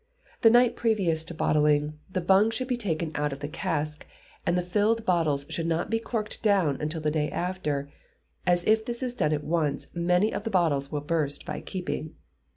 The night previous to bottling, the bung should be taken out of the cask, and the filled bottles should not be corked down until the day after; as, if this is done at once, many of the bottles will burst by keeping.